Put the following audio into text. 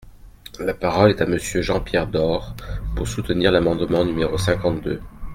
La parole est à Monsieur Jean-Pierre Door, pour soutenir l’amendement numéro cinquante-deux.